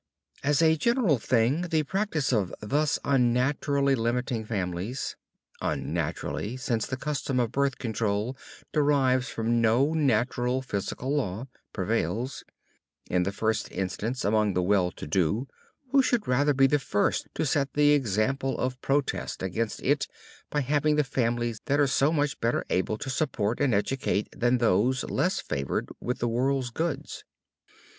As a general thing, the practice of thus unnaturally limiting families "unnaturally" since the custom of "birth control" derives from no natural, physical law prevails, in the first instance, among the well to do, who should rather be the first to set the example of protest against it by having the families they are so much better able to support and educate than those less favored with the world's goods.